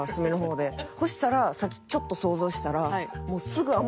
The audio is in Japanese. そしたらさっきちょっと想像したら。